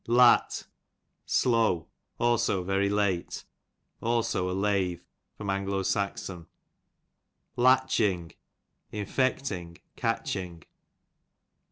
Lat, slow; also very late ; also a lathe. A. 8. Latching, infecting, catching.